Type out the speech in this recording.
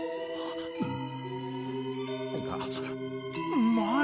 うまい！